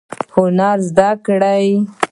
هنر زده کړئ